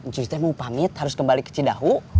cus teh mau pamit harus kembali ke cidahu